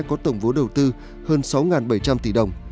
có tổng vốn đầu tư hơn sáu bảy trăm linh tỷ đồng